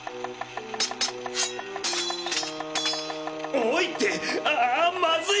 おいってあまずい！